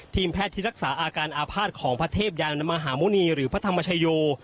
แพทย์ที่รักษาอาการอาภาษณ์ของพระเทพยานมหาหมุณีหรือพระธรรมชโย